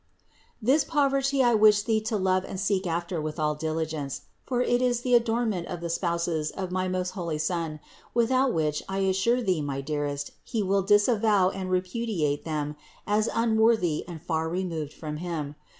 This poverty I wish thee to love and seek after with all diligence ; for it is the adorn ment of the spouses of my most holy Son, without which I assure thee, my dearest, He will disavow and repudiate 590 CITY OF GOD them as unworthy and far removed from Him.